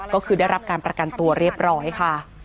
ก็คือได้รับการประกันตัวเรียบร้อยค่ะ